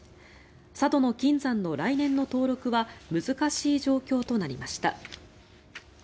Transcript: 佐渡島の金山の来年の登録は難しい状況となりました。